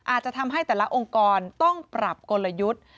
อาจจะทำให้แต่ละองค์กรต้องปรับกลยุทธ์